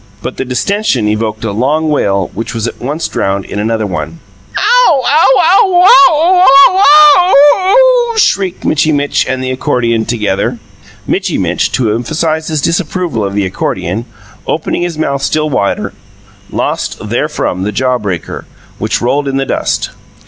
But the distention evoked a long wail which was at once drowned in another one. "Ow! Owowaoh! Wowohah! WaowWOW!" shrieked Mitchy Mitch and the accordion together. Mitchy Mitch, to emphasize his disapproval of the accordion, opening his mouth still wider, lost therefrom the jaw breaker, which rolled in the dust.